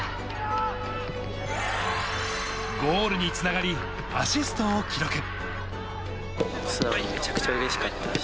ゴールにつながりアシストを記録。